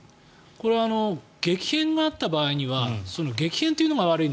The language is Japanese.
これは激変があった場合には激変があるというのが悪い。